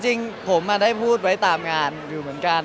จริงผมได้พูดไว้ตามงานอยู่เหมือนกัน